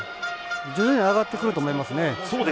徐々に上がってくると思いますね。